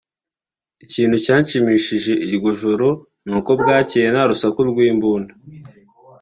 ikintu cyanshimishije iryo joro nuko bwakeye nta rusaku rw’imbunda